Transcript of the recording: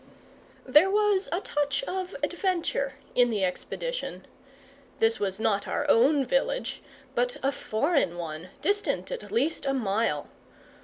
There was a touch of adventure in the expedition. This was not our own village, but a foreign one, distant at least a mile.